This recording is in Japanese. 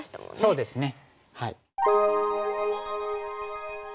そうですね。